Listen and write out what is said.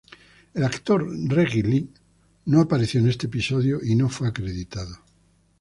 El actor Reggie Lee no apareció en este episodio y no fue acreditado.